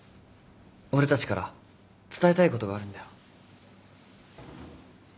俺たちから伝えたいことがあるんだよ。